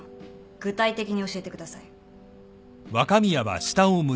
具体的に教えてください。